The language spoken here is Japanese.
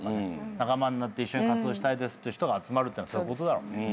仲間になって一緒に活動したいですって人が集まるっていうのはそういうことだろうね。